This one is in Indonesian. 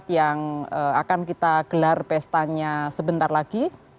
yang akan kita gelar pestanya sebentar lagi